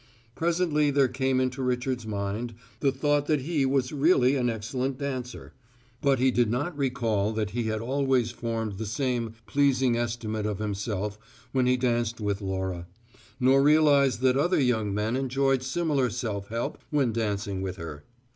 Presently there came into Richard's mind the thought that he was really an excellent dancer; but he did not recall that he had always formed the same pleasing estimate of himself when he danced with Laura, nor realize that other young men enjoyed similar self help when dancing with her.